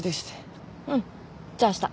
うんじゃあした。